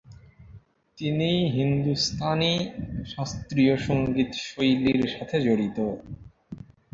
তিনি হিন্দুস্তানি শাস্ত্রীয় সংগীত শৈলীর সাথে জড়িত।